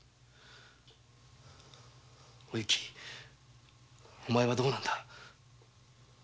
おゆきお前はどうなんだ。